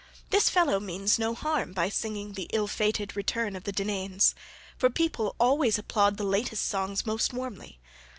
This fellow means no harm by singing the ill fated return of the Danaans, for people always applaud the latest songs most warmly.